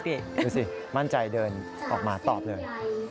ดูสิมั่นใจเดินออกมาตอบเลย